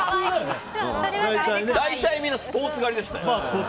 大体みんなスポーツ刈りでしたよ。